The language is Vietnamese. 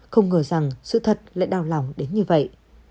không ngờ rằng sự thật lại đau lòng đến như vậy